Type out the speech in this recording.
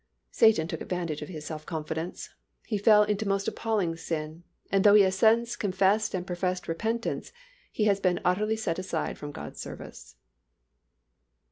Satan took advantage of his self confidence. He fell into most appalling sin, and though he has since confessed and professed repentance, he has been utterly set aside from God's service.